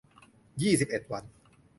ยี่สิบเอ็ด วัน